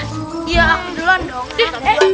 iya aku duluan dong